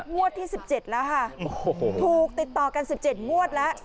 มวดที่สิบเจ็ดแล้วค่ะโอ้โหถูกติดต่อกันสิบเจ็ดมวดแล้ว